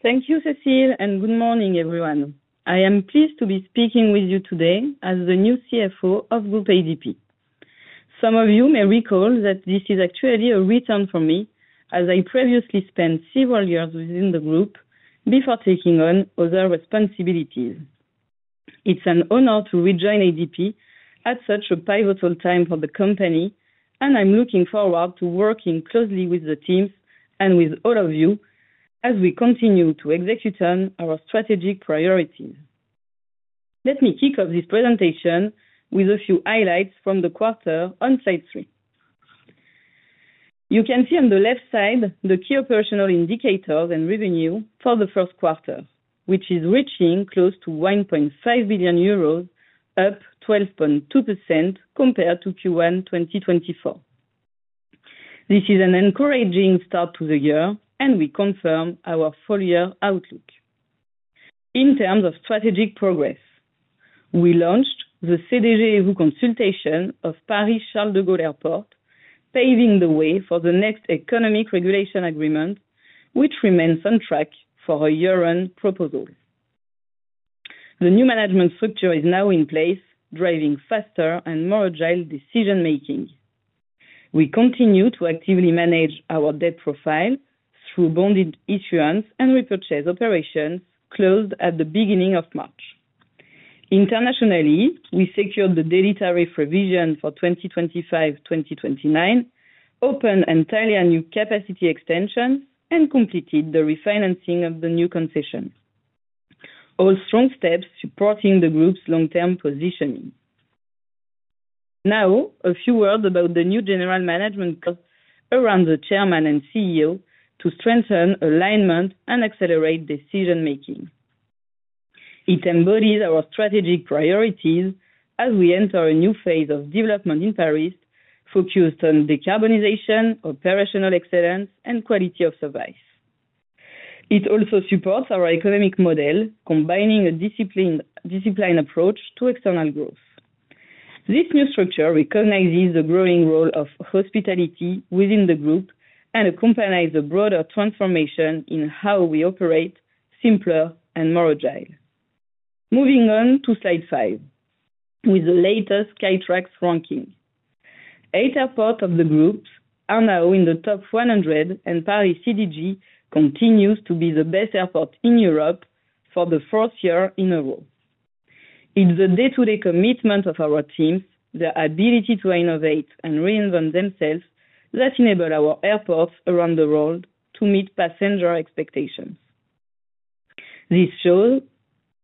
Thank you, Cécile, and good morning, everyone. I am pleased to be speaking with you today as the new CFO of Groupe ADP. Some of you may recall that this is actually a return for me, as I previously spent several years within the Groupe before taking on other responsibilities. It's an honor to rejoin ADP at such a pivotal time for the company, and I'm looking forward to working closely with the teams and with all of you as we continue to execute on our strategic priorities. Let me kick off this presentation with a few highlights from the quarter on slide three. You can see on the left side the key operational indicators and revenue for the first quarter, which is reaching close to 1.5 billion euros, up 12.2% compared to Q1 2024. This is an encouraging start to the year, and we confirm our full year outlook. In terms of strategic progress, we launched the CDG & Vous consultation of Paris-Charles de Gaulle Airport, paving the way for the next Economic Regulation Agreement, which remains on track for a year-end proposal. The new management structure is now in place, driving faster and more agile decision-making. We continue to actively manage our debt profile through bonded issuance and repurchase operations closed at the beginning of March. Internationally, we secured the daily tariff revision for 2025-2029, opened entirely new capacity extensions, and completed the refinancing of the new concessions. All strong steps supporting the group's long-term positioning. Now, a few words about the new general management around the Chairman and CEO to strengthen alignment and accelerate decision-making. It embodies our strategic priorities as we enter a new phase of development in Paris, focused on decarbonization, operational excellence, and quality of service. It also supports our economic model, combining a disciplined approach to external growth. This new structure recognizes the growing role of hospitality within the group and accompanies a broader transformation in how we operate, simpler and more agile. Moving on to slide five with the latest Skytrax ranking. Eight airports of the group are now in the top 100, and Paris-CDG continues to be the best airport in Europe for the fourth year in a row. It's the day-to-day commitment of our teams, their ability to innovate and reinvent themselves that enable our airports around the world to meet passenger expectations. This shows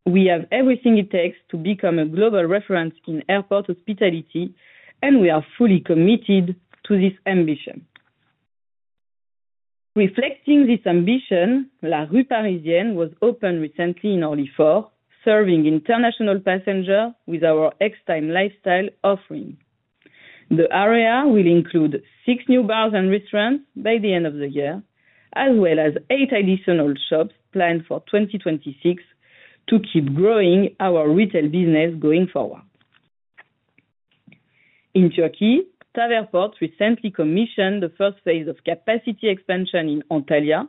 we have everything it takes to become a global reference in airport hospitality, and we are fully committed to this ambition. Reflecting this ambition, La Rue Parisienne was opened recently in Orly 4, serving international passengers with our Extime lifestyle offering. The area will include six new bars and restaurants by the end of the year, as well as eight additional shops planned for 2026 to keep growing our retail business going forward. In Turkey, TAV Airports recently commissioned the first phase of capacity expansion in Antalya,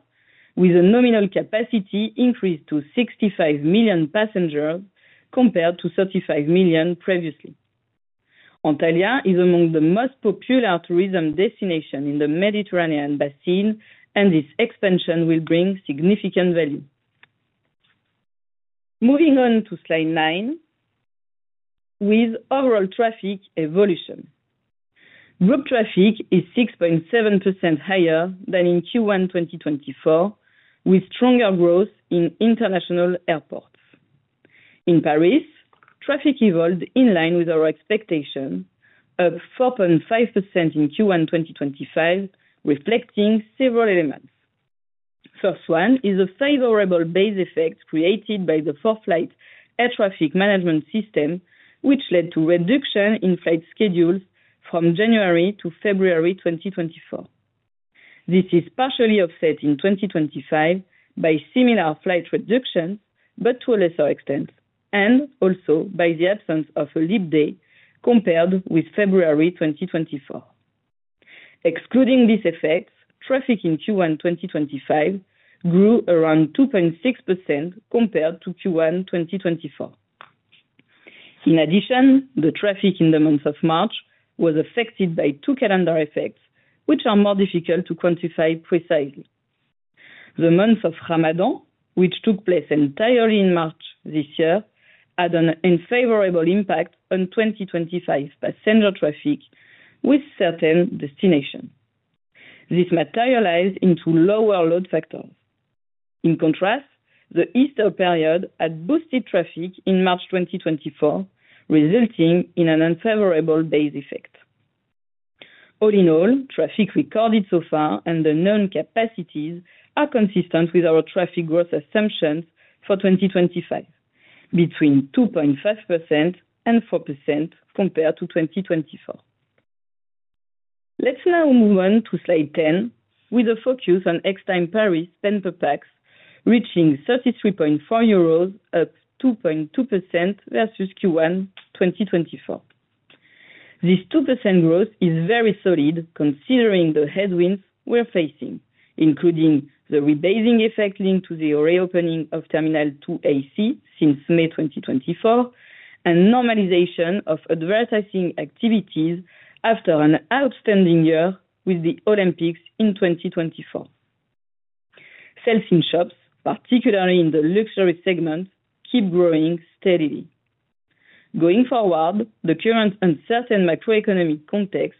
with a nominal capacity increased to 65 million passengers compared to 35 million previously. Antalya is among the most popular tourism destinations in the Mediterranean Basin, and this expansion will bring significant value. Moving on to slide nine with overall traffic evolution. Group traffic is 6.7% higher than in Q1 2024, with stronger growth in international airports. In Paris, traffic evolved in line with our expectations, up 4.5% in Q1 2025, reflecting several elements. The first one is a favorable base effect created by the 4-Flight air traffic management system, which led to a reduction in flight schedules from January to February 2024. This is partially offset in 2025 by similar flight reductions, but to a lesser extent, and also by the absence of a leap day compared with February 2024. Excluding these effects, traffic in Q1 2025 grew around 2.6% compared to Q1 2024. In addition, the traffic in the month of March was affected by two calendar effects, which are more difficult to quantify precisely. The month of Ramadan, which took place entirely in March this year, had an unfavorable impact on 2025 passenger traffic with certain destinations. This materialized into lower load factors. In contrast, the Easter period had boosted traffic in March 2024, resulting in an unfavorable base effect. All in all, traffic recorded so far and the known capacities are consistent with our traffic growth assumptions for 2025, between 2.5%-4% compared to 2024. Let's now move on to slide 10 with a focus on Extime Paris Spend Per Pax, reaching 33.4 euros, up 2.2% versus Q1 2024. This 2% growth is very solid considering the headwinds we're facing, including the rebasing effect linked to the reopening of Terminal 2AC since May 2024 and normalization of advertising activities after an outstanding year with the Olympics in 2024. Sales in shops, particularly in the luxury segment, keep growing steadily. Going forward, the current uncertain macroeconomic context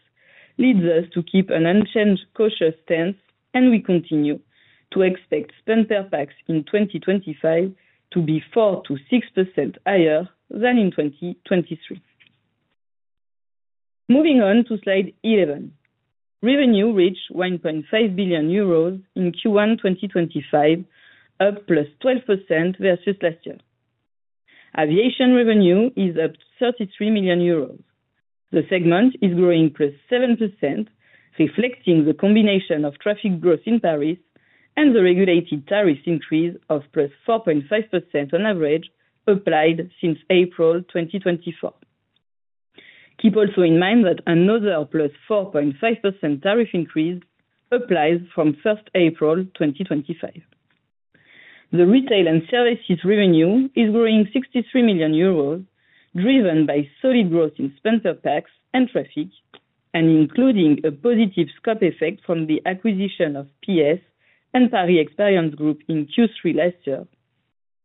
leads us to keep an unchanged cautious stance, and we continue to expect Spend Per Pax in 2025 to be 4%-6% higher than in 2023. Moving on to slide 11, revenue reached 1.5 billion euros in Q1 2025, up 12% versus last year. Aviation revenue is up 33 million euros. The segment is growing plus 7%, reflecting the combination of traffic growth in Paris and the regulated tariffs increase of plus 4.5% on average applied since April 2024. Keep also in mind that another plus 4.5% tariff increase applies from 1 April 2025. The retail and services revenue is growing 63 million euros, driven by solid growth in Spend Per Pax and traffic, and including a positive scope effect from the acquisition of PS and Paris Experience Group in Q3 last year,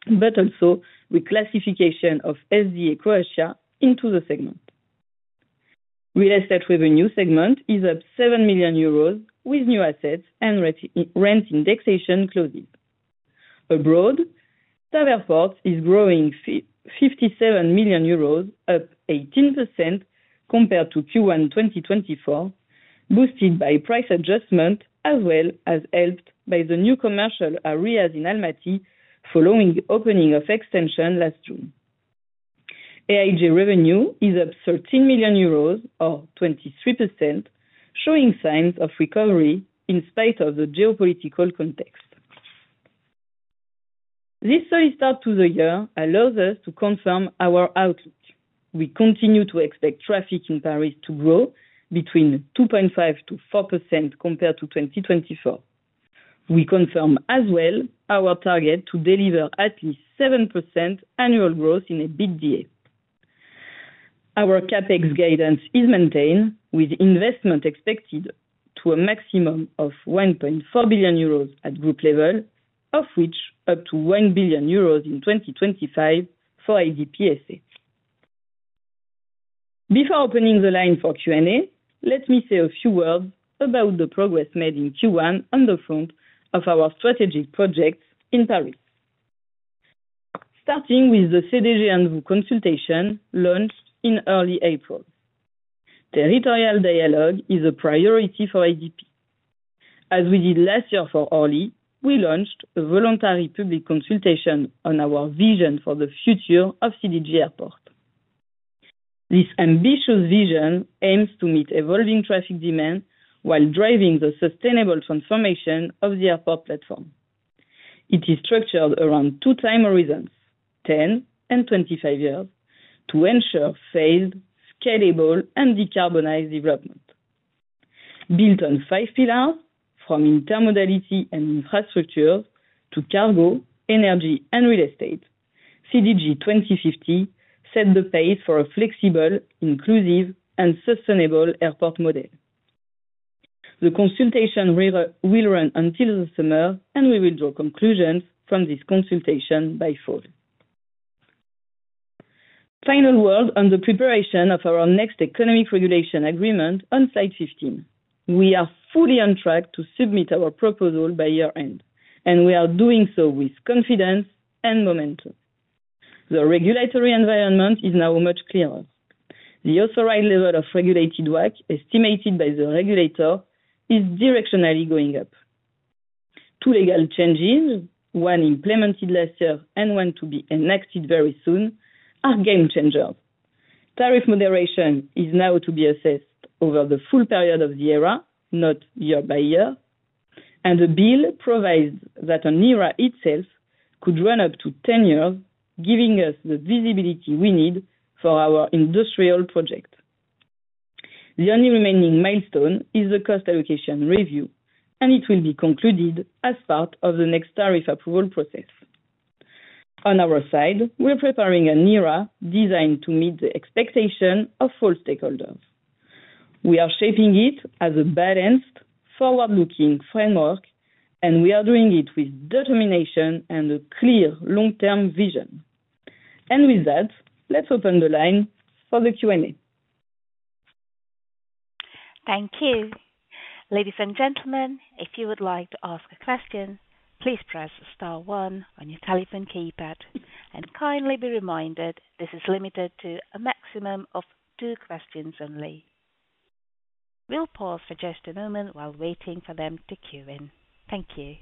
but also with classification of SDA Croatia into the segment. Real estate revenue segment is up 7 million euros with new assets and rent indexation closes. Abroad, TAV Airports is growing 57 million euros, up 18% compared to Q1 2024, boosted by price adjustment as well as helped by the new commercial areas in Almaty following opening of extension last June. AIG revenue is up 13 million euros, or 23%, showing signs of recovery in spite of the geopolitical context. This solid start to the year allows us to confirm our outlook. We continue to expect traffic in Paris to grow between 2.5%-4% compared to 2024. We confirm as well our target to deliver at least 7% annual growth in a EBITDA. Our CapEx guidance is maintained, with investment expected to a maximum of 1.4 billion euros at group level, of which up to 1 billion euros in 2025 for ADP SA. Before opening the line for Q&A, let me say a few words about the progress made in Q1 on the front of our strategic projects in Paris, starting with the CDG & Vous consultation launched in early April. Territorial dialogue is a priority for ADP. As we did last year for Orly, we launched a voluntary public consultation on our vision for the future of CDG Airport. This ambitious vision aims to meet evolving traffic demand while driving the sustainable transformation of the airport platform. It is structured around two time horizons, 10 and 25 years, to ensure phased, scalable, and decarbonized development. Built on five pillars, from intermodality and infrastructure to cargo, energy, and real estate, CDG 2050 set the pace for a flexible, inclusive, and sustainable airport model. The consultation will run until the summer, and we will draw conclusions from this consultation by fall. Final word on the preparation of our next Economic Regulation Agreement on slide 15. We are fully on track to submit our proposal by year-end, and we are doing so with confidence and momentum. The regulatory environment is now much clearer. The authorized level of regulated WACC estimated by the regulator is directionally going up. Two legal changes, one implemented last year and one to be enacted very soon, are game changers. Tariff moderation is now to be assessed over the full period of the ERA, not year by year, and the bill provides that an ERA itself could run up to 10 years, giving us the visibility we need for our industrial project. The only remaining milestone is the cost allocation review, and it will be concluded as part of the next tariff approval process. On our side, we're preparing an ERA designed to meet the expectation of all stakeholders. We are shaping it as a balanced, forward-looking framework, and we are doing it with determination and a clear long-term vision. With that, let's open the line for the Q&A. Thank you. Ladies and gentlemen, if you would like to ask a question, please press star one on your telephone keypad and kindly be reminded this is limited to a maximum of two questions only. We'll pause for just a moment while waiting for them to queue in. Thank you.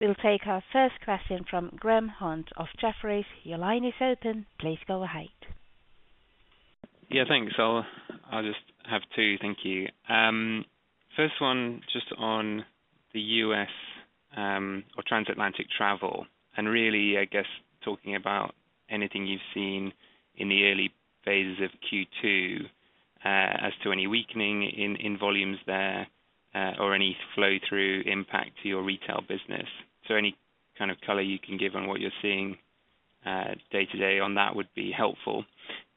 We'll take our first question from Graham Hunt of Jefferies. Your line is open. Please go ahead. Yeah, thanks. I'll just have two. Thank you. First one, just on the U.S. or transatlantic travel, and really, I guess, talking about anything you've seen in the early phases of Q2 as to any weakening in volumes there or any flow-through impact to your retail business. Any kind of color you can give on what you're seeing day-to-day on that would be helpful.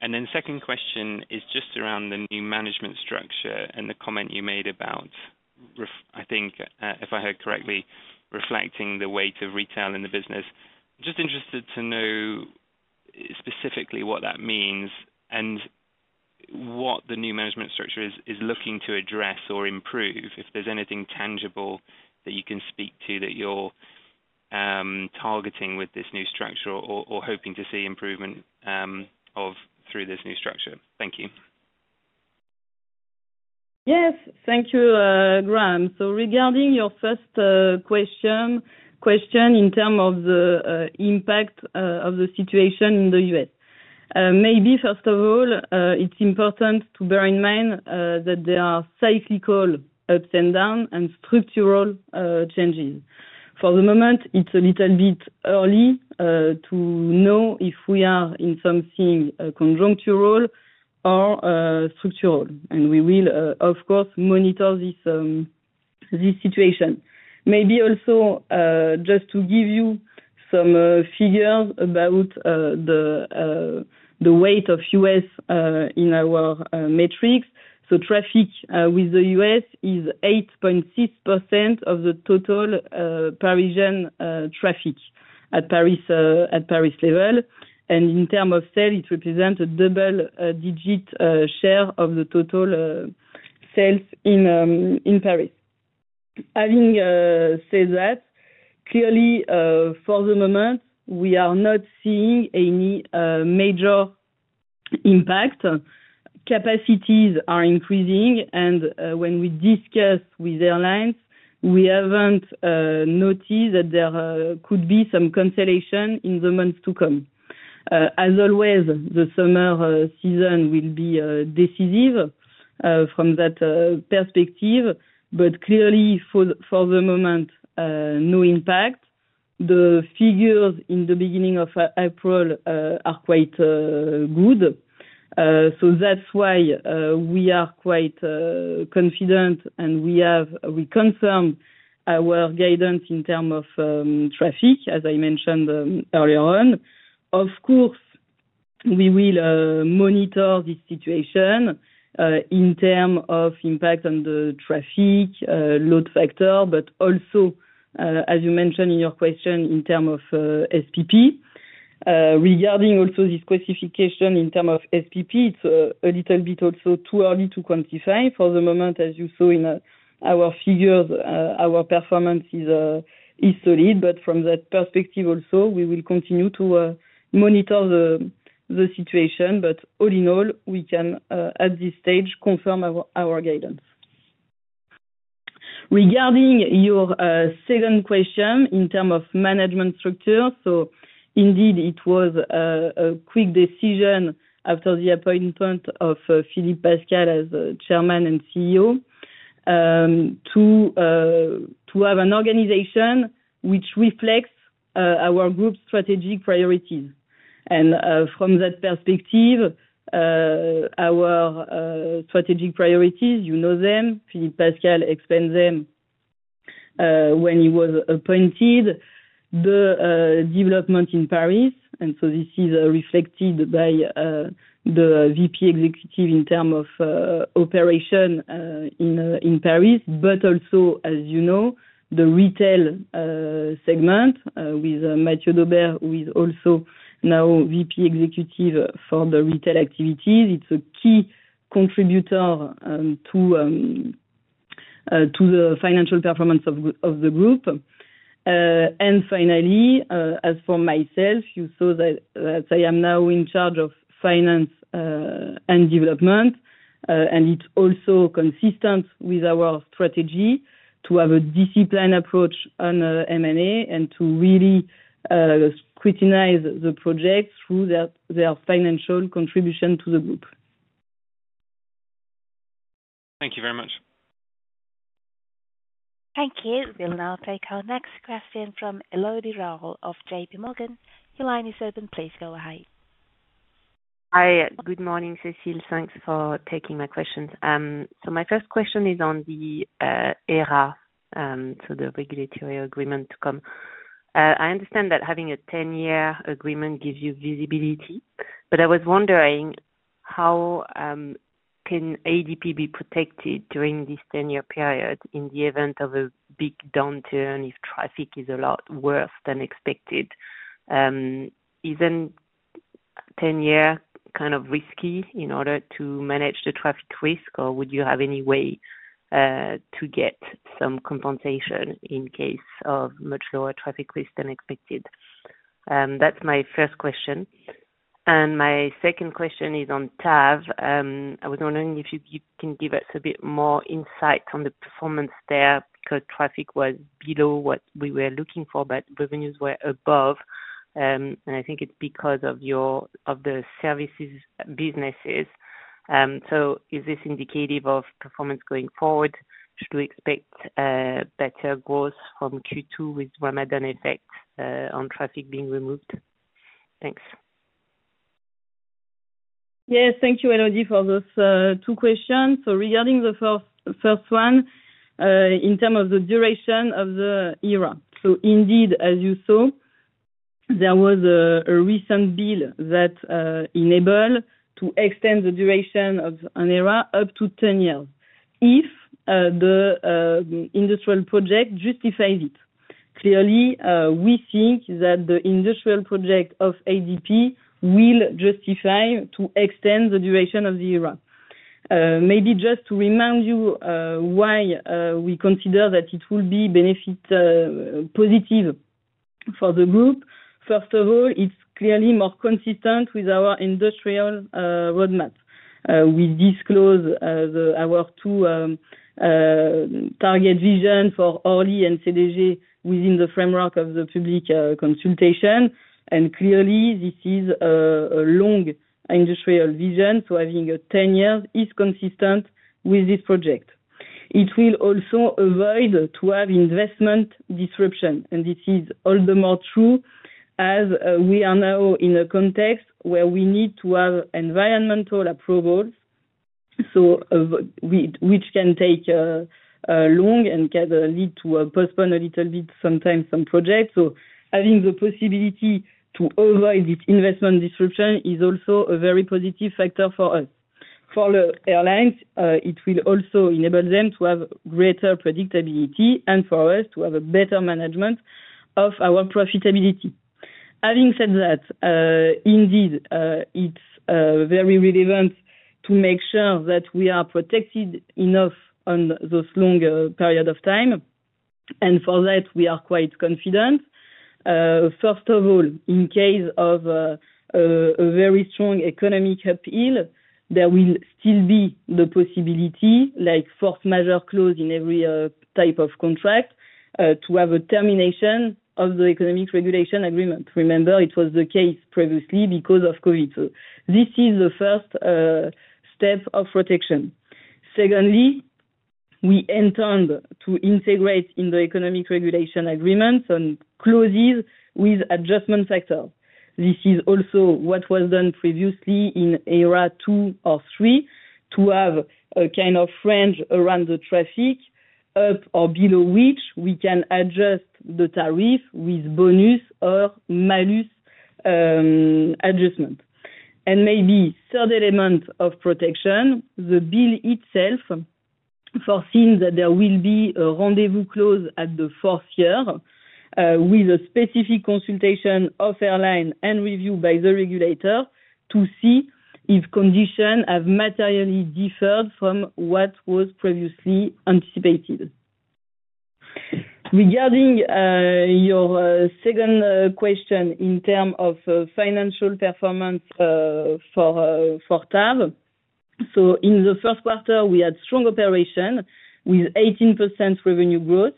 The second question is just around the new management structure and the comment you made about, I think, if I heard correctly, reflecting the weight of retail in the business. I'm just interested to know specifically what that means and what the new management structure is looking to address or improve, if there's anything tangible that you can speak to that you're targeting with this new structure or hoping to see improvement through this new structure. Thank you. Yes, thank you, Graham. Regarding your first question, in terms of the impact of the situation in the U.S., maybe first of all, it's important to bear in mind that there are cyclical ups and downs and structural changes. For the moment, it's a little bit early to know if we are in something conjunctural or structural, and we will, of course, monitor this situation. Maybe also just to give you some figures about the weight of U.S. in our metrics. Traffic with the U.S. is 8.6% of the total Parisian traffic at Paris level, and in terms of sales, it represents a double-digit share of the total sales in Paris. Having said that, clearly, for the moment, we are not seeing any major impact. Capacities are increasing, and when we discuss with airlines, we have not noticed that there could be some cancellation in the months to come. As always, the summer season will be decisive from that perspective, but clearly, for the moment, no impact. The figures in the beginning of April are quite good. That is why we are quite confident, and we have reconfirmed our guidance in terms of traffic, as I mentioned earlier on. Of course, we will monitor this situation in terms of impact on the traffic load factor, but also, as you mentioned in your question, in terms of SPP. Regarding also this classification in terms of SPP, it's a little bit also too early to quantify. For the moment, as you saw in our figures, our performance is solid, but from that perspective also, we will continue to monitor the situation, but all in all, we can, at this stage, confirm our guidance. Regarding your second question in terms of management structure, indeed, it was a quick decision after the appointment of Philippe Pascal as Chairman and CEO to have an organization which reflects our group's strategic priorities. From that perspective, our strategic priorities, you know them, Philippe Pascal explained them when he was appointed, the development in Paris, and this is reflected by the VP Executive in terms of operation in Paris, but also, as you know, the retail segment with Mathieu Daubert, who is also now VP Executive for the retail activities. It is a key contributor to the financial performance of the group. Finally, as for myself, you saw that I am now in charge of finance and development, and it is also consistent with our strategy to have a disciplined approach on M&A and to really scrutinize the projects through their financial contribution to the group. Thank you very much. Thank you. We will now take our next question from Elodie Rall of JP Morgan. Your line is open. Please go ahead. Hi. Good morning, Cécile. Thanks for taking my questions. My first question is on the ERA, so the regulatory agreement to come. I understand that having a 10-year agreement gives you visibility, but I was wondering how can ADP be protected during this 10-year period in the event of a big downturn if traffic is a lot worse than expected? Is a 10-year kind of risky in order to manage the traffic risk, or would you have any way to get some compensation in case of much lower traffic risk than expected? That's my first question. My second question is on TAV. I was wondering if you can give us a bit more insight on the performance there because traffic was below what we were looking for, but revenues were above, and I think it's because of the services businesses. Is this indicative of performance going forward? Should we expect better growth from Q2 with Ramadan effect on traffic being removed? Thanks. Yes, thank you, Elodie, for those two questions. Regarding the first one, in terms of the duration of the ERA, indeed, as you saw, there was a recent bill that enabled to extend the duration of an ERA up to 10 years if the industrial project justifies it. Clearly, we think that the industrial project of ADP will justify to extend the duration of the ERA. Maybe just to remind you why we consider that it will be benefit positive for the group, first of all, it is clearly more consistent with our industrial roadmap. We disclose our two target visions for Orly and CDG within the framework of the public consultation, and clearly, this is a long industrial vision, so having 10 years is consistent with this project. It will also avoid to have investment disruption, and this is all the more true as we are now in a context where we need to have environmental approvals, which can take long and can lead to postpone a little bit sometimes some projects. Having the possibility to avoid this investment disruption is also a very positive factor for us. For the airlines, it will also enable them to have greater predictability and for us to have a better management of our profitability. Having said that, indeed, it's very relevant to make sure that we are protected enough on those long periods of time, and for that, we are quite confident. First of all, in case of a very strong economic appeal, there will still be the possibility, like force majeure clause in every type of contract, to have a termination of the Economic Regulation Agreement. Remember, it was the case previously because of COVID. This is the first step of protection. Secondly, we intend to integrate in the Economic Regulation Agreements clauses with adjustment factors. This is also what was done previously in ERA two or three to have a kind of fringe around the traffic up or below which we can adjust the tariff with bonus or malus adjustment. Maybe a third element of protection, the bill itself foresees that there will be a rendezvous clause at the fourth year with a specific consultation of airline and review by the regulator to see if conditions have materially differed from what was previously anticipated. Regarding your second question in terms of financial performance for TAV, in the first quarter, we had strong operation with 18% revenue growth,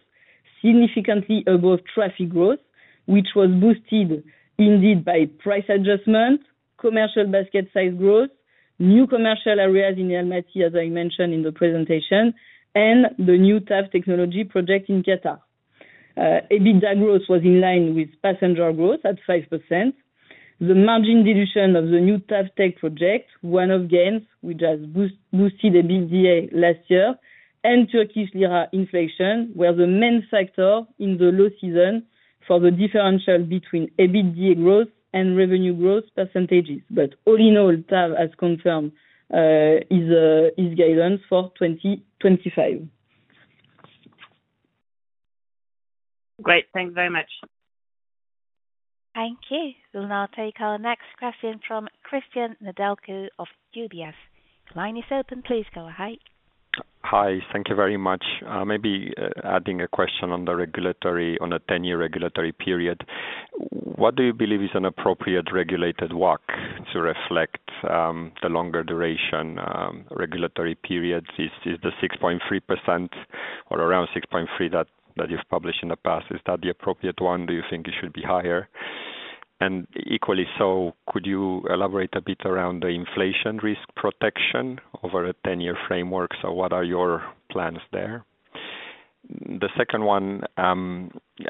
significantly above traffic growth, which was boosted indeed by price adjustment, commercial basket size growth, new commercial areas in Almaty, as I mentioned in the presentation, and the new TAV Technology project in Qatar. EBITDA growth was in line with passenger growth at 5%. The margin dilution of the new TAV Tech project, one-off gains, which has boosted EBITDA last year, and Turkish lira inflation were the main factors in the low season for the differential between EBITDA growth and revenue growth percentages. All in all, TAV, as confirmed, is guidance for 2025. Great. Thanks very much. Thank you. We'll now take our next question from Cristian Nedelcu of UBS. Line is open. Please go ahead. Maybe adding a question on the regulatory on a 10-year regulatory period. What do you believe is an appropriate regulated WACC to reflect the longer duration regulatory period? Is the 6.3% or around 6.3% that you've published in the past? Is that the appropriate one? Do you think it should be higher? Equally so, could you elaborate a bit around the inflation risk protection over a 10-year framework? What are your plans there? The second one,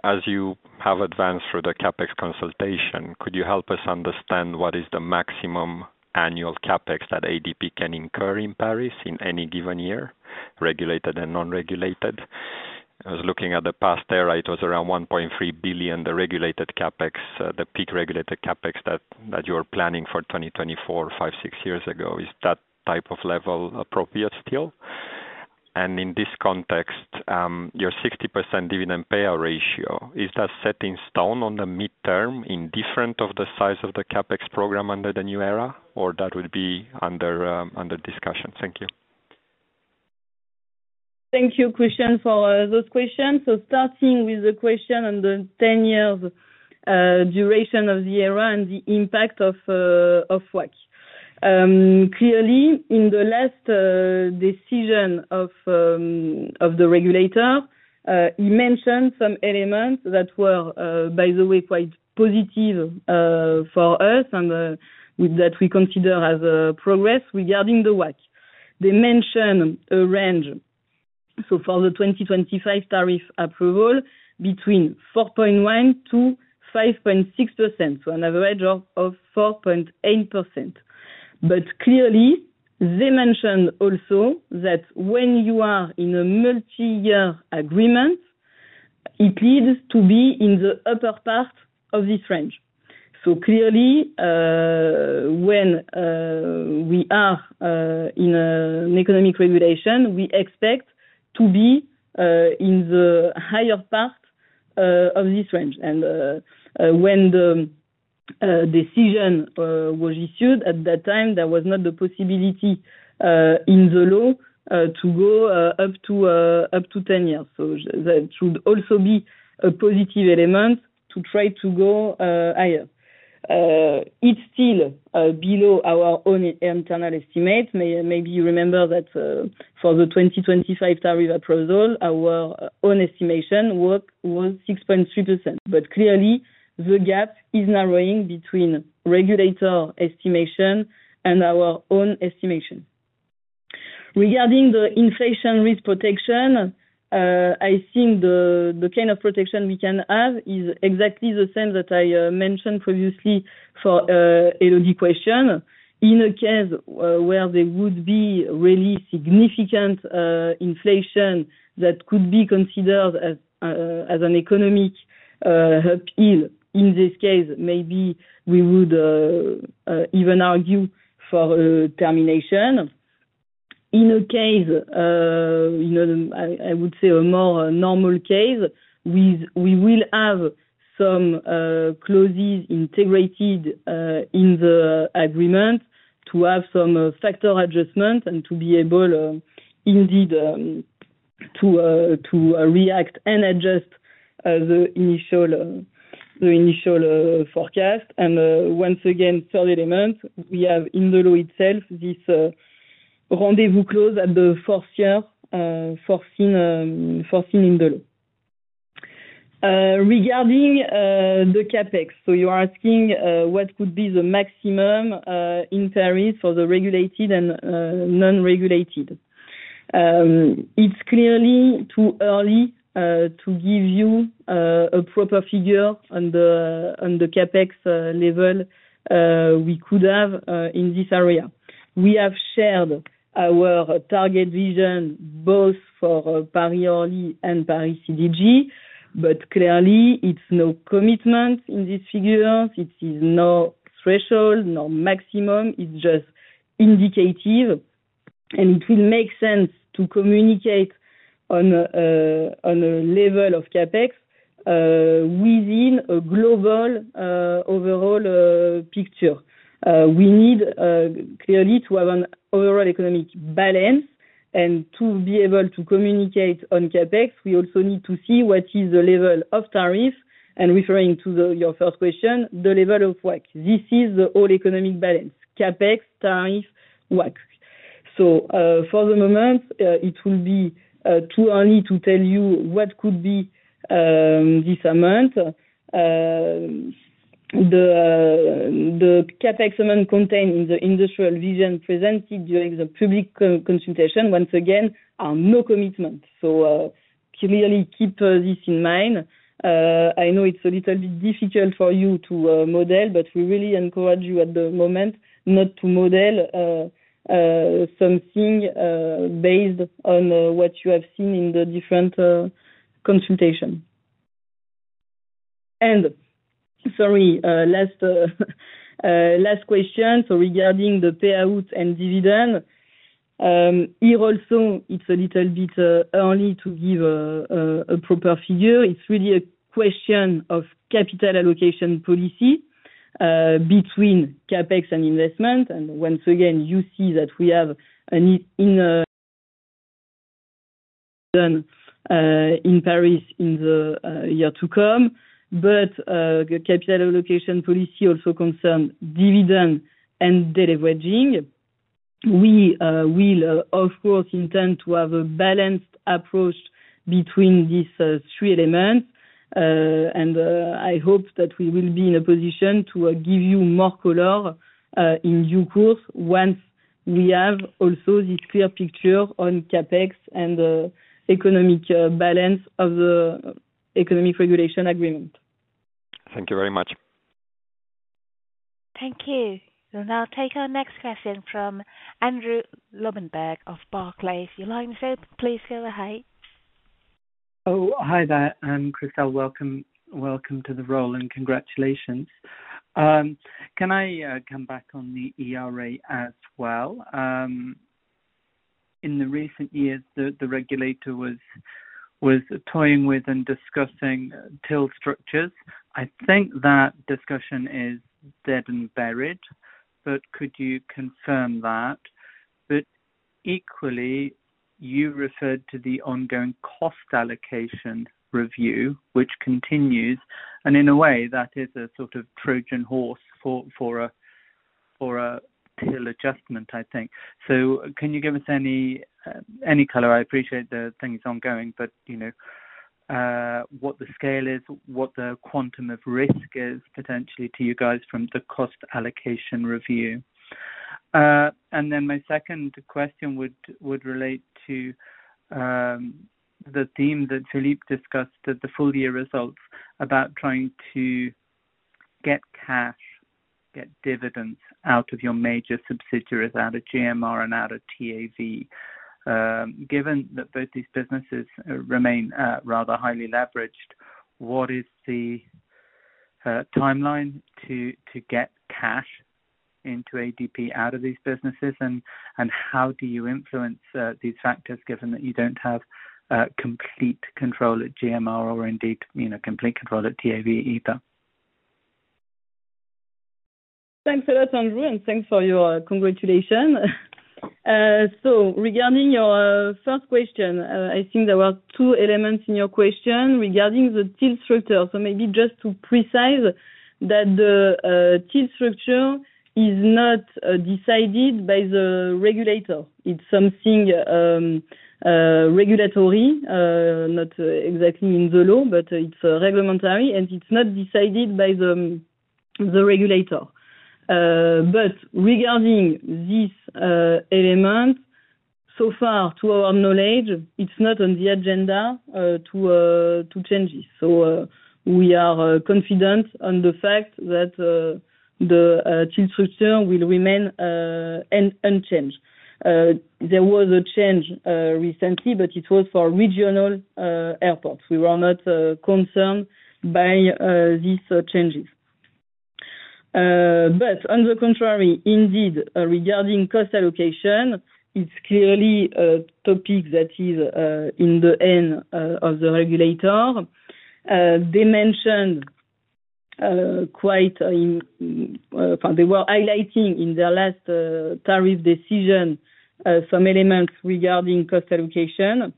as you have advanced through the CapEx consultation, could you help us understand what is the maximum annual CapEx that ADP can incur in Paris in any given year, regulated and non-regulated? I was looking at the past era. It was around 1.3 billion, the regulated CapEx, the peak regulated CapEx that you were planning for 2024, five, six years ago. Is that type of level appropriate still? In this context, your 60% dividend payout ratio, is that set in stone on the midterm indifferent of the size of the CapEx program under the new ERA, or that would be under discussion? Thank you. Thank you, Cristian, for those questions. Starting with the question on the 10-year duration of the ERA and the impact of WACC. Clearly, in the last decision of the regulator, he mentioned some elements that were, by the way, quite positive for us and that we consider as progress regarding the WACC. They mentioned a range. For the 2025 tariff approval, between 4.1%-5.6%, so an average of 4.8%. Clearly, they mentioned also that when you are in a multi-year agreement, it needs to be in the upper part of this range. Clearly, when we are in an economic regulation, we expect to be in the higher part of this range. When the decision was issued at that time, there was not the possibility in the law to go up to 10 years. That should also be a positive element to try to go higher. It is still below our own internal estimate. Maybe you remember that for the 2025 tariff approval, our own estimation was 6.3%. Clearly, the gap is narrowing between regulator estimation and our own estimation. Regarding the inflation risk protection, I think the kind of protection we can have is exactly the same that I mentioned previously for Elodie's question. In a case where there would be really significant inflation that could be considered as an economic appeal, in this case, maybe we would even argue for termination. In a case, I would say a more normal case, we will have some clauses integrated in the agreement to have some factor adjustment and to be able indeed to react and adjust the initial forecast. Once again, third element, we have in the law itself this rendezvous clause at the fourth year foreseen in the law. Regarding the CapEx, you are asking what could be the maximum in Paris for the regulated and non-regulated. It is clearly too early to give you a proper figure on the CapEx level we could have in this area. We have shared our target vision both for Paris Orly and Paris CDG, but clearly, it is no commitment in this figure. It is no threshold, no maximum. It is just indicative, and it will make sense to communicate on a level of CapEx within a global overall picture. We need clearly to have an overall economic balance and to be able to communicate on CapEx. We also need to see what is the level of tariff, and referring to your first question, the level of WACC. This is the whole economic balance: CapEx, tariff, WACC. For the moment, it will be too early to tell you what could be this amount. The CapEx amount contained in the industrial vision presented during the public consultation, once again, are no commitment. Clearly, keep this in mind. I know it's a little bit difficult for you to model, but we really encourage you at the moment not to model something based on what you have seen in the different consultation. Sorry, last question. Regarding the payout and dividend, here also, it's a little bit early to give a proper figure. It's really a question of capital allocation policy between CapEx and investment. Once again, you see that we have an income in Paris in the year to come, but the capital allocation policy also concerns dividend and deleveraging. We will, of course, intend to have a balanced approach between these three elements, and I hope that we will be in a position to give you more color in due course once we have also this clear picture on CapEx and the economic balance of the Economic Regulation Agreement. Thank you very much. Thank you. We'll now take our next question from Andrew Lobbenberg of Barclays. You're live now. Please go ahead. Oh, hi there. And Christelle. Welcome to the role. And congratulations. Can I come back on the ERA as well? In the recent years, the regulator was toying with and discussing Till structures. I think that discussion is dead and buried, but could you confirm that? Equally, you referred to the ongoing cost allocation review, which continues, and in a way, that is a sort of Trojan horse for a Till adjustment, I think. Can you give us any color? I appreciate the thing is ongoing, but what the scale is, what the quantum of risk is potentially to you guys from the cost allocation review. My second question would relate to the theme that Philippe discussed at the full-year results about trying to get cash, get dividends out of your major subsidiaries, out of GMR and out of TAV. Given that both these businesses remain rather highly leveraged, what is the timeline to get cash into ADP out of these businesses, and how do you influence these factors given that you don't have complete control at GMR or indeed complete control at TAV either? Thanks a lot, Andrew. Thanks for your congratulations. Regarding your first question, I think there were two elements in your question regarding the Till structure. Maybe just to precise that the Till structure is not decided by the regulator. It's something regulatory, not exactly in the law, but it's regulatory, and it's not decided by the regulator. Regarding this element, so far, to our knowledge, it's not on the agenda to change this. We are confident on the fact that the Till structure will remain unchanged. There was a change recently, but it was for regional airports. We were not concerned by these changes. On the contrary, indeed, regarding cost allocation, it's clearly a topic that is in the hands of the regulator. They mentioned quite a—well, they were highlighting in their last tariff decision some elements regarding cost allocation.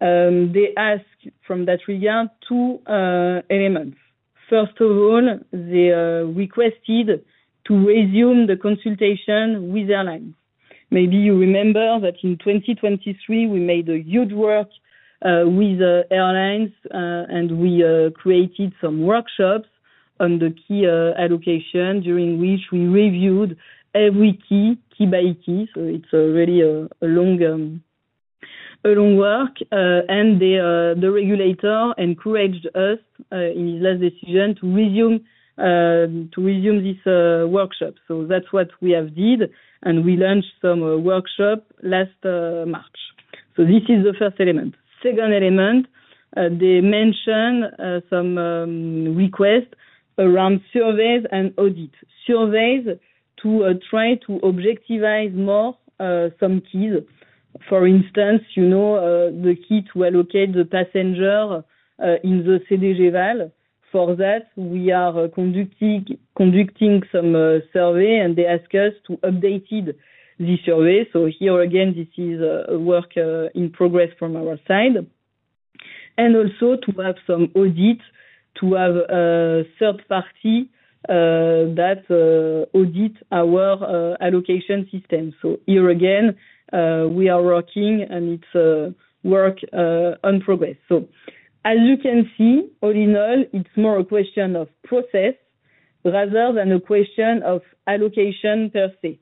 They asked from that regard two elements. First of all, they requested to resume the consultation with airlines. Maybe you remember that in 2023, we made a huge work with airlines, and we created some workshops on the key allocation during which we reviewed every key, key by key. It's really a long work, and the regulator encouraged us in his last decision to resume this workshop. That's what we have did, and we launched some workshops last March. This is the first element. Second element, they mentioned some requests around surveys and audits. Surveys to try to objectivize more some keys. For instance, the key to allocate the passenger in the CDGVAL. For that, we are conducting some survey, and they ask us to update the survey. Here again, this is a work in progress from our side. Also, to have some audits, to have a third party that audits our allocation system. Here again, we are working, and it's a work in progress. As you can see, all in all, it's more a question of process rather than a question of allocation per se.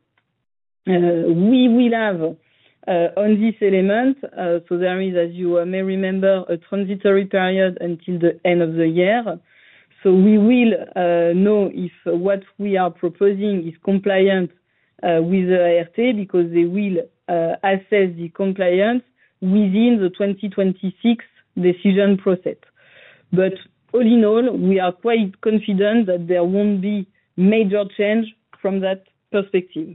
We will have on this element, so there is, as you may remember, a transitory period until the end of the year. We will know if what we are proposing is compliant with the ART because they will assess the compliance within the 2026 decision process. All in all, we are quite confident that there won't be major change from that perspective.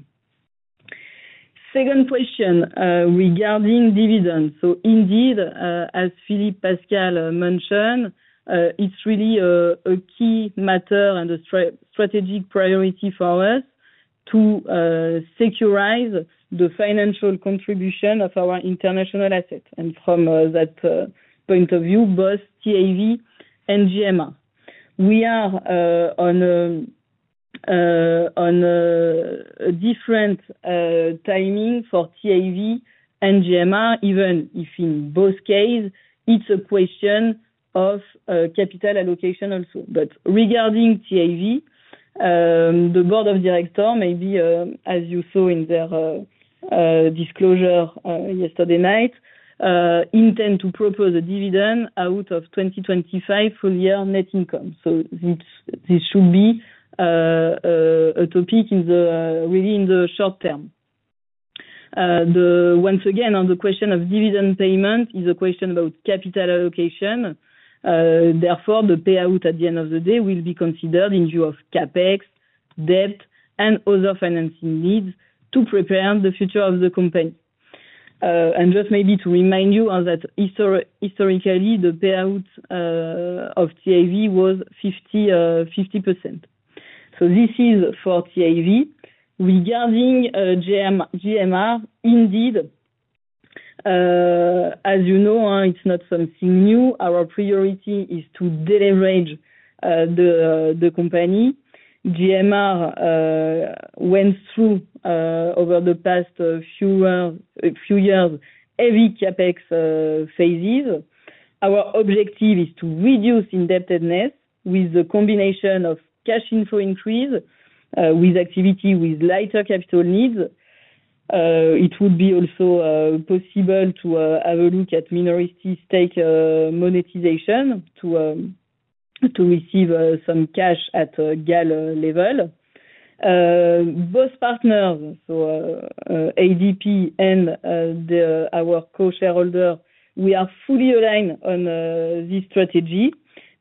Second question regarding dividends. Indeed, as Philippe Pascal mentioned, it's really a key matter and a strategic priority for us to securize the financial contribution of our international assets. From that point of view, both TAV and GMR. We are on a different timing for TAV and GMR, even if in both cases, it's a question of capital allocation also. Regarding TAV, the board of directors, maybe as you saw in their disclosure yesterday night, intend to propose a dividend out of 2025 full-year net income. This should be a topic really in the short term. Once again, on the question of dividend payment, it's a question about capital allocation. Therefore, the payout at the end of the day will be considered in view of CapEx, debt, and other financing needs to prepare the future of the company. Just maybe to remind you that historically, the payout of TAV was 50%. This is for TAV. Regarding GMR, indeed, as you know, it's not something new. Our priority is to deleverage the company. GMR went through, over the past few years, heavy CapEx phases. Our objective is to reduce indebtedness with the combination of cash inflow increase with activity with lighter capital needs. It would be also possible to have a look at minority stake monetization to receive some cash at GAL level. Both partners, so ADP and our co-shareholder, we are fully aligned on this strategy.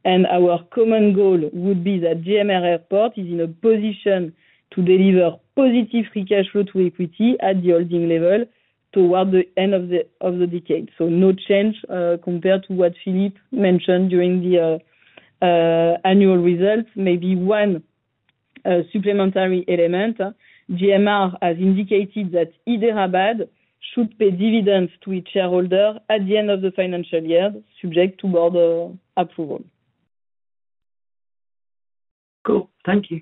Our common goal would be that GMR Airports is in a position to deliver positive free cash flow to equity at the holding level toward the end of the decade. No change compared to what Philippe mentioned during the annual results. Maybe one supplementary element: GMR has indicated that Hyderabad should pay dividends to its shareholder at the end of the financial year, subject to board approval. Cool. Thank you.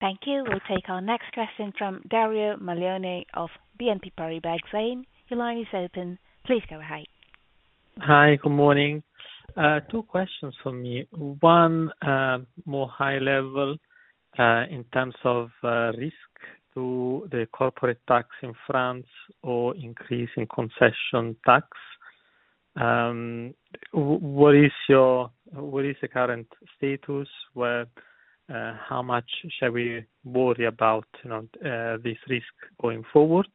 Thank you. We'll take our next question from Dario Maglione of BNP Paribas. Your line is open. Hi. Good morning. Two questions for me. One more high level in terms of risk to the corporate tax in France or increase in concession tax. What is the current status? How much shall we worry about this risk going forward?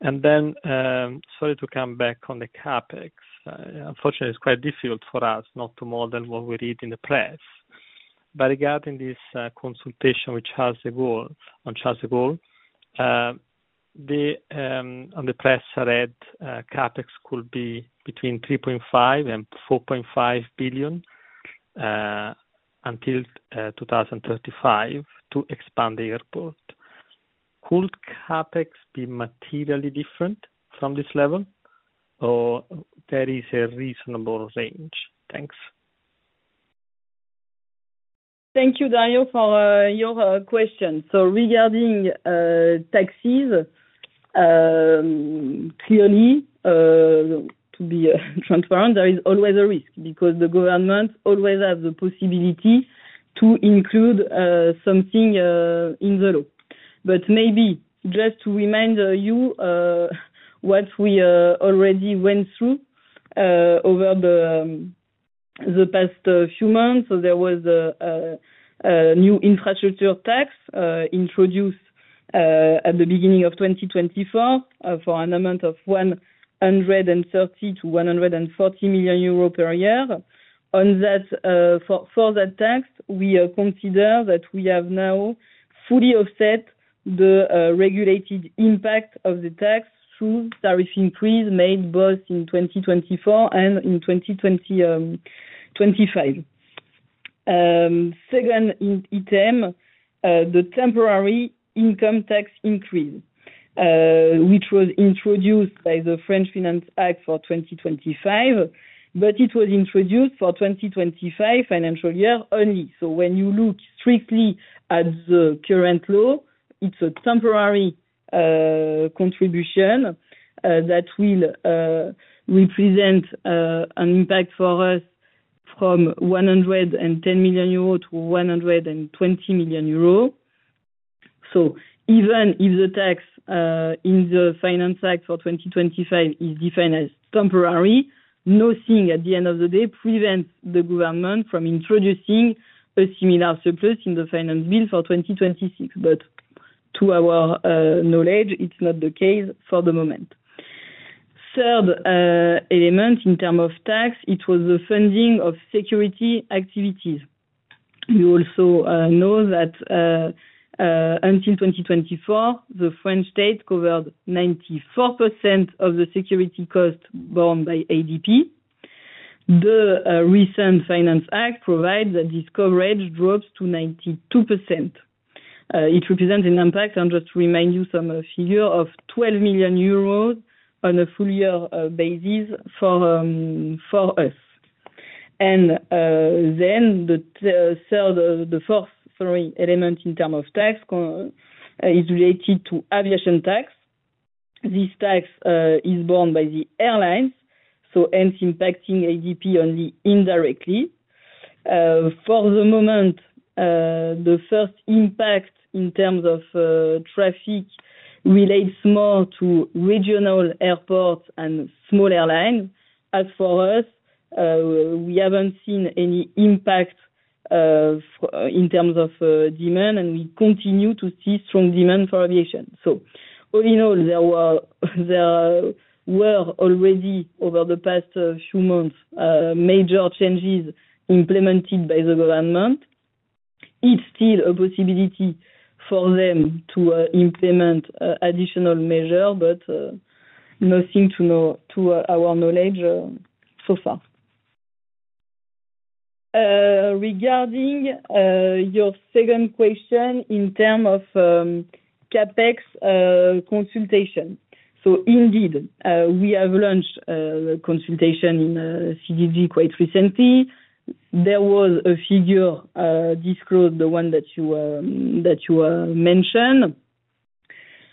And then, sorry to come back on the CapEx. Unfortunately, it's quite difficult for us not to model what we read in the press. Regarding this consultation, which has a goal on Charles de Gaulle, on the press, I read CapEx could be between 3.5 billion-4.5 billion until 2035 to expand the airport. Could CapEx be materially different from this level? Or is there a reasonable range? Thanks. Thank you, Dario, for your question. Regarding taxes, clearly, to be transparent, there is always a risk because the government always has the possibility to include something in the law. Maybe just to remind you what we already went through over the past few months, there was a new infrastructure tax introduced at the beginning of 2024 for an amount of 130 million-140 million euro per year. For that tax, we consider that we have now fully offset the regulated impact of the tax through tariff increase made both in 2024 and in 2025. Second item, the temporary income tax increase, which was introduced by the French Finance Act for 2025, but it was introduced for 2025 financial year only. When you look strictly at the current law, it's a temporary contribution that will represent an impact for us from 110 million-120 million euros. Even if the tax in the Finance Act for 2025 is defined as temporary, nothing at the end of the day prevents the government from introducing a similar surplus in the finance bill for 2026. To our knowledge, it's not the case for the moment. Third element in terms of tax, it was the funding of security activities. You also know that until 2024, the French state covered 94% of the security cost borne by ADP. The recent Finance Act provides that this coverage drops to 92%. It represents an impact, I'll just remind you, some figure of 12 million euros on a full-year basis for us. Then the fourth element in terms of tax is related to aviation tax. This tax is borne by the airlines, so hence impacting ADP only indirectly. For the moment, the first impact in terms of traffic relates more to regional airports and small airlines. As for us, we haven't seen any impact in terms of demand, and we continue to see strong demand for aviation. All in all, there were already over the past few months major changes implemented by the government. It is still a possibility for them to implement additional measures, but nothing to our knowledge so far. Regarding your second question in terms of CapEx consultation, we have launched the consultation in CDG quite recently. There was a figure disclosed, the one that you mentioned.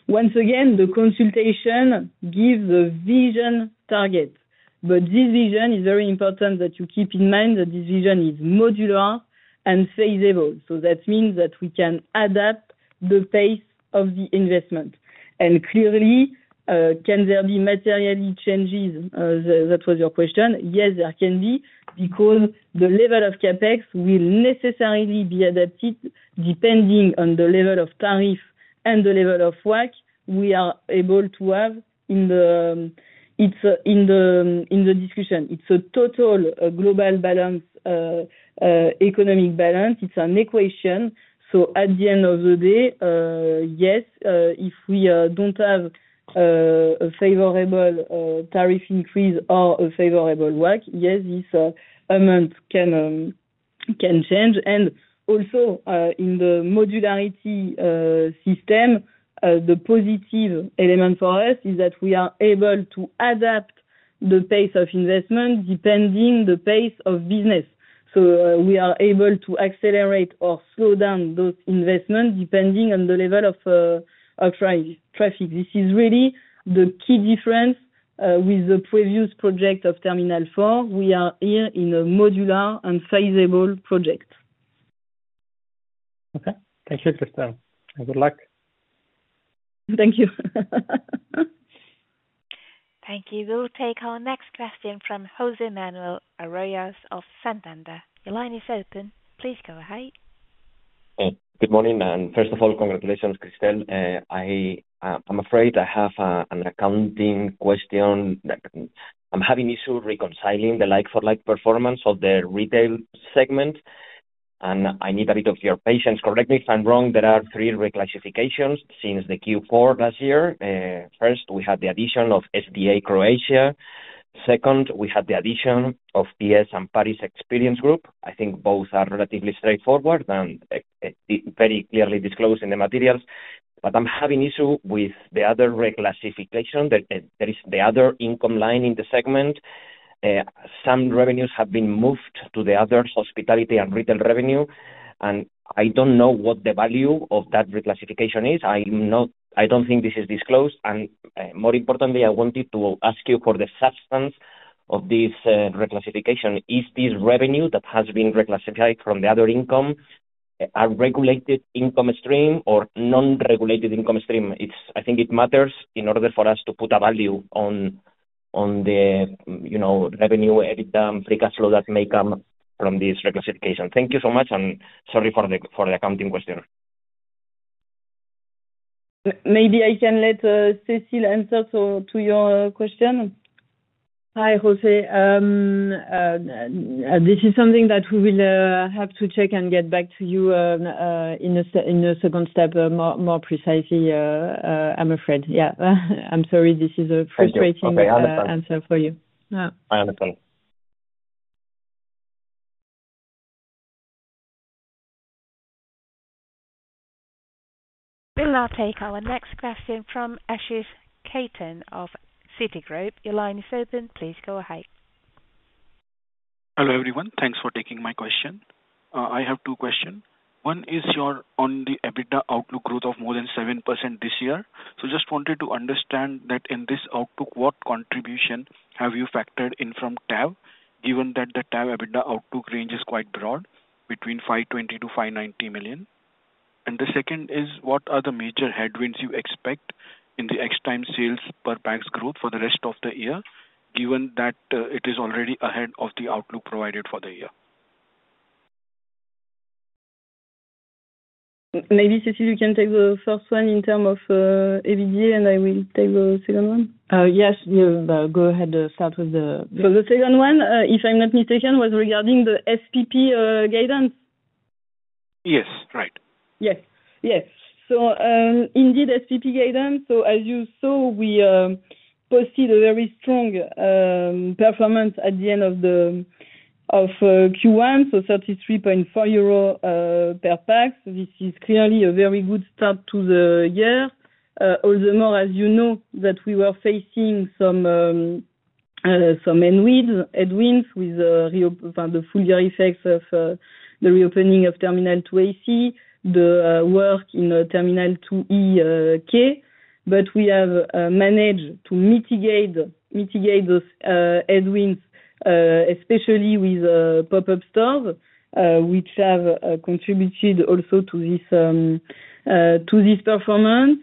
Once again, the consultation gives a vision target. This vision is very important that you keep in mind that this vision is modular and feasible. That means that we can adapt the pace of the investment. Clearly, can there be materially changes? That was your question. Yes, there can be because the level of CapEx will necessarily be adapted depending on the level of tariff and the level of WACC we are able to have in the discussion. It's a total global balance, economic balance. It's an equation. At the end of the day, yes, if we don't have a favorable tariff increase or a favorable WACC, this amount can change. Also in the modularity system, the positive element for us is that we are able to adapt the pace of investment depending on the pace of business. We are able to accelerate or slow down those investments depending on the level of traffic. This is really the key difference with the previous project of Terminal 4. We are here in a modular and feasible project. Okay. Thank you, Christelle. Good luck. Thank you. Thank you. We'll take our next question from Jose Manuel Oliveros of Santander. Your line is open. Please go ahead. Good morning. First of all, congratulations, Christelle. I'm afraid I have an accounting question. I'm having issues reconciling the like-for-like performance of the retail segment, and I need a bit of your patience. Correct me if I'm wrong. There are three reclassifications since the Q4 last year. First, we had the addition of SDA Croatia. Second, we had the addition of PS and Paris Experience Group. I think both are relatively straightforward and very clearly disclosed in the materials. I am having issues with the other reclassification. There is the other income line in the segment. Some revenues have been moved to the other hospitality and retail revenue. I do not know what the value of that reclassification is. I do not think this is disclosed. More importantly, I wanted to ask you for the substance of this reclassification. Is this revenue that has been reclassified from the other income a regulated income stream or non-regulated income stream? I think it matters in order for us to put a value on the revenue free cash flow that may come from this reclassification. Thank you so much, and sorry for the accounting question. Maybe I can let Cécile answer to your question. Hi, Jose. This is something that we will have to check and get back to you in a second step more precisely, I'm afraid. Yeah. I'm sorry. This is a frustrating answer for you. I understand. We'll now take our next question from Ashish Khetan of Citigroup. Your line is open. Please go ahead. Hello everyone. Thanks for taking my question. I have two questions. One is your only EBITDA outlook growth of more than 7% this year. Just wanted to understand that in this outlook, what contribution have you factored in from TAV, given that the TAV EBITDA outlook range is quite broad, between 520 million-590 million? The second is, what are the major headwinds you expect in the Extime sales per pax growth for the rest of the year, given that it is already ahead of the outlook provided for the year? Maybe Cécile, you can take the first one in terms of EBITDA, and I will take the second one. Yes. Go ahead. Start with the second one. If I'm not mistaken, it was regarding the SPP guidance? Yes. Right. Yes. Yes. SPP guidance. As you saw, we posted a very strong performance at the end of Q1, 33.4 euro per pax. This is clearly a very good start to the year. All the more, as you know, we were facing some headwinds with the full-year effects of the reopening of Terminal 2AC, the work in Terminal 2EK. We have managed to mitigate those headwinds, especially with pop-up stores, which have contributed also to this performance.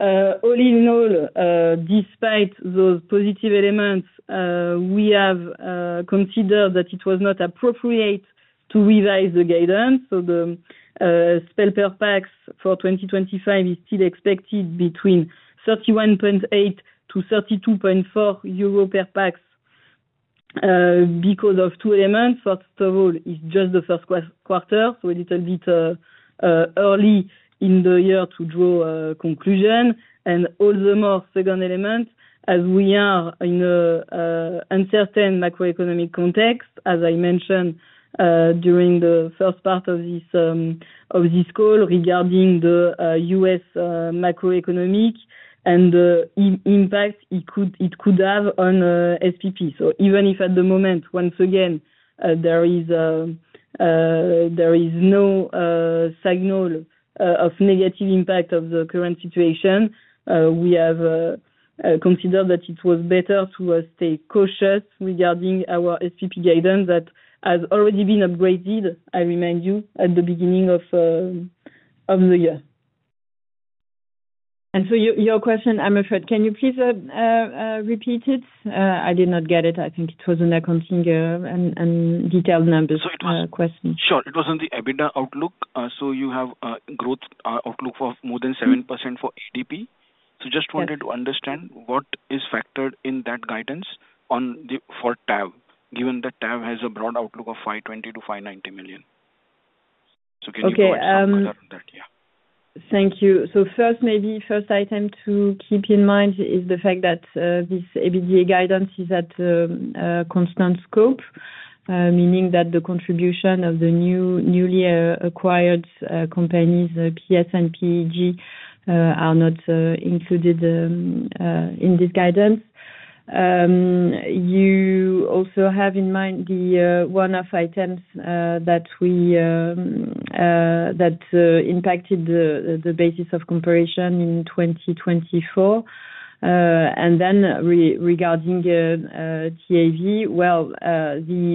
All in all, despite those positive elements, we have considered that it was not appropriate to revise the guidance. The spend per pax for 2025 is still expected between 31.8-32.4 euro per pax because of two elements. First of all, it is just the first quarter, so a little bit early in the year to draw a conclusion. All the more, second element, as we are in an uncertain macroeconomic context, as I mentioned during the first part of this call regarding the U.S. macroeconomic and the impact it could have on SPP. Even if at the moment, once again, there is no signal of negative impact of the current situation, we have considered that it was better to stay cautious regarding our SPP guidance that has already been upgraded, I remind you, at the beginning of the year. Your question, I'm afraid, can you please repeat it? I did not get it. I think it was an accounting and detailed number question. Sure. It was on the EBITDA outlook. You have a growth outlook of more than 7% for ADP. I just wanted to understand what is factored in that guidance for TAV, given that TAV has a broad outlook of 520 million-590 million. Can you clarify that? Thank you. First item to keep in mind is the fact that this EBITDA guidance is at constant scope, meaning that the contribution of the newly acquired companies, PS and PEG, are not included in this guidance. You also have in mind the one-off items that impacted the basis of comparison in 2024. Regarding TAV, the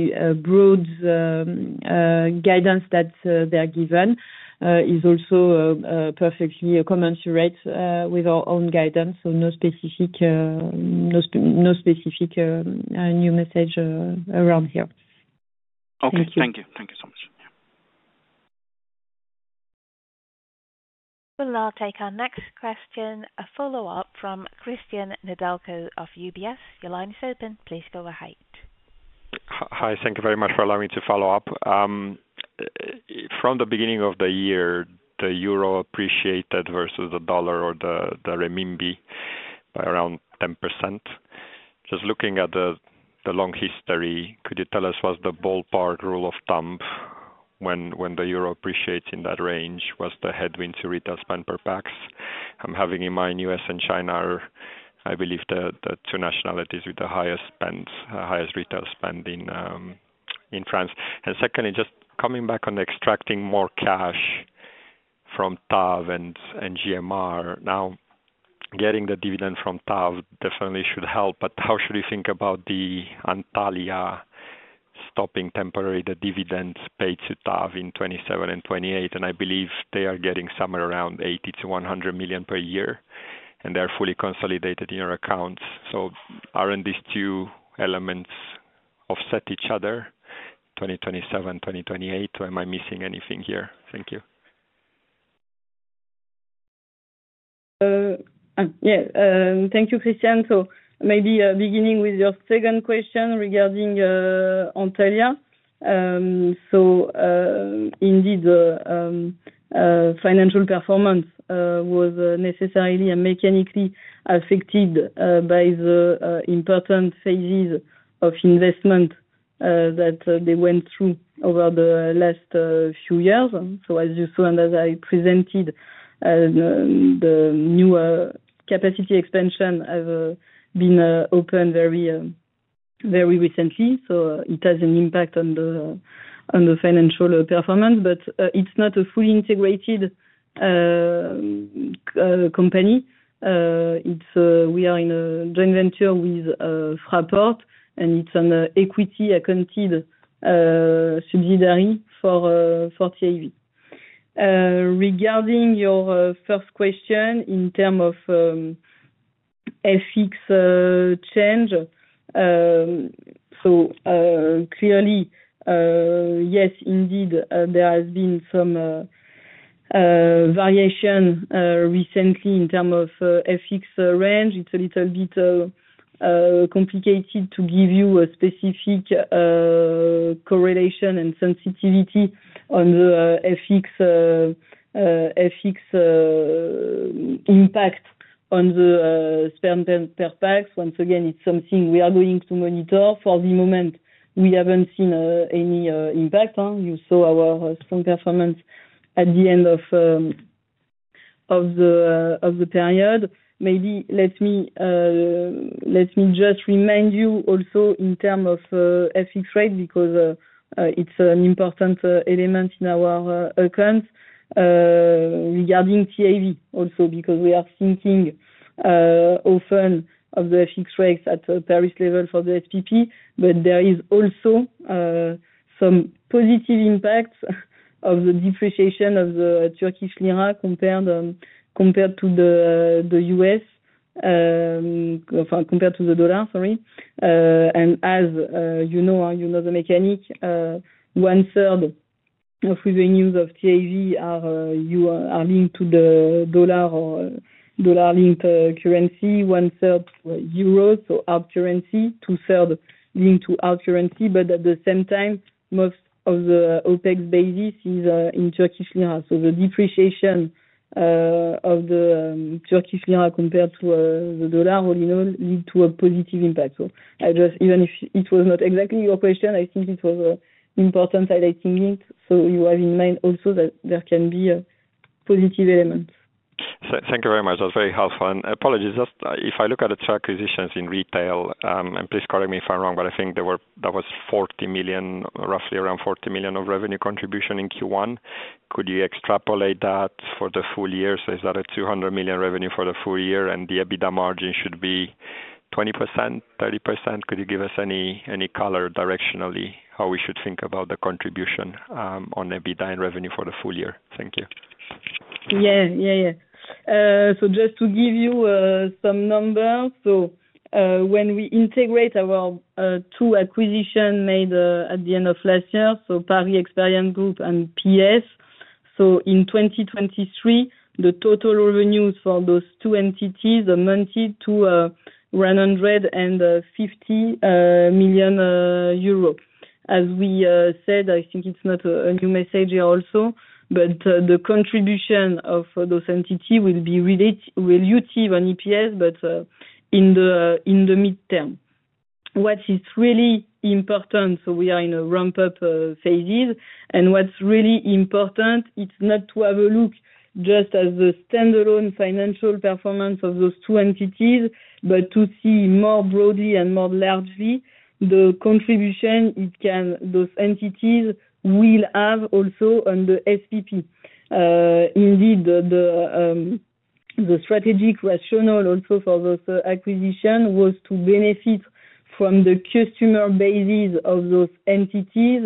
broad guidance that they are given is also perfectly commensurate with our own guidance. No specific new message around here. Thank you. Thank you. Thank you so much. We'll now take our next question, a follow-up from Cristian Nedelcu of UBS. Your line is open. Please go ahead. Hi. Thank you very much for allowing me to follow up. From the beginning of the year, the euro appreciated versus the dollar or the renminbi by around 10%. Just looking at the long history, could you tell us what's the ballpark rule of thumb when the Euro appreciates in that range? What's the headwinds to retail spend per pax? I'm having in mind U.S. and China are, I believe, the two nationalities with the highest retail spend in France. Secondly, just coming back on extracting more cash from TAV and GMR. Now, getting the dividend from TAV definitely should help. How should we think about the Antalya stopping temporarily the dividends paid to TAV in 2027 and 2028? I believe they are getting somewhere around 80 million-100 million per year, and they are fully consolidated in your accounts. So aren't these two elements offset each other in 2027, 2028? Am I missing anything here? Thank you. Thank you, Cristian. Maybe beginning with your second question regarding Antalya. Indeed, financial performance was necessarily and mechanically affected by the important phases of investment that they went through over the last few years. As you saw and as I presented, the new capacity expansion has been opened very recently. It has an impact on the financial performance. It is not a fully integrated company. We are in a joint venture with Fraport, and it is an equity-accounted subsidiary for TAV. Regarding your first question in terms of FX change, clearly, yes, there has been some variation recently in terms of FX range. It is a little bit complicated to give you a specific correlation and sensitivity on the FX impact on the spend per pax. Once again, it is something we are going to monitor. For the moment, we have not seen any impact. You saw our strong performance at the end of the period. Maybe let me just remind you also in terms of FX rate because it's an important element in our accounts regarding TAV also because we are thinking often of the FX rates at the Paris level for the SPP. There is also some positive impact of the depreciation of the Turkish lira compared to the U.S., compared to the dollar, sorry. As you know, you know the mechanic, 1/3 of revenues of TAV are linked to the dollar-linked currency, 1/3 Euros, so our currency, 2/3 linked to our currency. At the same time, most of the OpEx basis is in Turkish lira. The depreciation of the Turkish lira compared to the dollar, all in all, leads to a positive impact. Even if it was not exactly your question, I think it was an important highlighting link. You have in mind also that there can be a positive element. Thank you very much. That's very helpful. Apologies, if I look at the two acquisitions in retail, and please correct me if I'm wrong, but I think that was roughly around 40 million of revenue contribution in Q1. Could you extrapolate that for the full year? Is that a 200 million revenue for the full year? The EBITDA margin should be 20%, 30%? Could you give us any color directionally how we should think about the contribution on EBITDA and revenue for the full year? Thank you. Yeah. Yeah. Just to give you some numbers, when we integrate our two acquisitions made at the end of last year, Paris Experience Group and PS, in 2023, the total revenues for those two entities amounted to 150 million euro. As we said, I think it's not a new message here also, but the contribution of those entities will be relative on EPS, but in the midterm. What is really important, we are in a ramp-up phase, and what's really important, it's not to have a look just at the standalone financial performance of those two entities, but to see more broadly and more largely the contribution those entities will have also on the SPP. Indeed, the strategic rationale also for those acquisitions was to benefit from the customer bases of those entities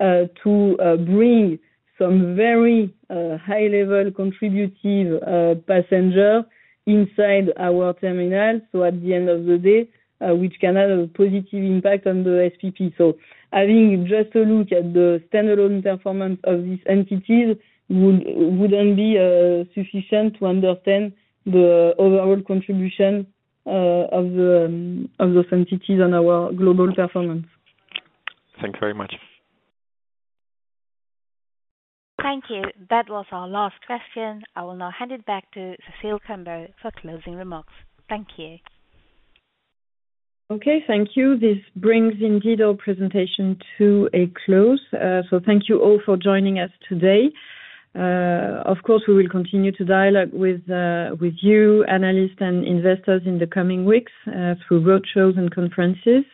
to bring some very high-level contributive passengers inside our terminal. At the end of the day, which can have a positive impact on the SPP. Having just a look at the stand-alone performance of these entities wouldn't be sufficient to understand the overall contribution of those entities on our global performance. Thank you very much. Thank you. That was our last question. I will now hand it back to Christelle de Robillard for closing remarks. Thank you. Okay. Thank you. This brings indeed our presentation to a close. Thank you all for joining us today. Of course, we will continue to dialogue with you, analysts and investors, in the coming weeks through roadshows and conferences.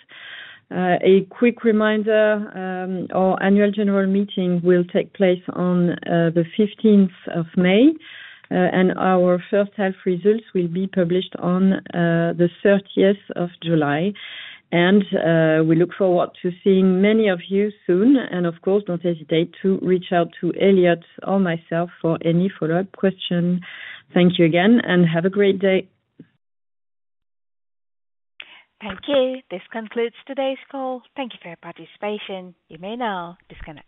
A quick reminder, our annual general meeting will take place on the 15th of May, and our first half results will be published on the 30th of July. We look forward to seeing many of you soon. Of course, do not hesitate to reach out to Eliott or myself for any follow-up questions. Thank you again, and have a great day. Thank you. This concludes today's call. Thank you for your participation. You may now disconnect.